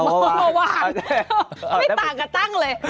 ไม่ต่างกับตั้งเลย